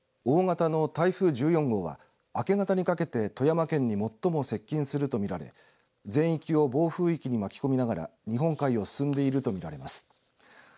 大型の台風１４号は明け方にかけて富山県に最も接近するとみられ全域を暴風域に巻き込みながら日本海を進んでいるとみられます。